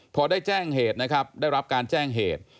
พอได้แจ้งเหตุนะครับได้รับการแจ้งเหตุ